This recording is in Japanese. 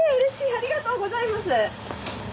ありがとうございます。